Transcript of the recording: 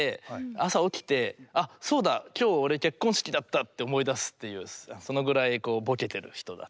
朝起きて「あそうだ今日俺結婚式だった」って思い出すっていうそのぐらいぼけてる人だっていう。